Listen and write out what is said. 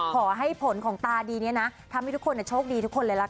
ขอให้ผลของตาดีนี้นะทำให้ทุกคนโชคดีทุกคนเลยละกัน